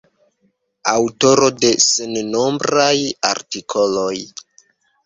Aŭtoro de sennombraj artikoloj.